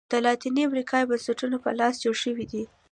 د لاتینې امریکا بنسټونه په لاس جوړ شوي وو.